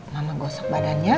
mama gosok badannya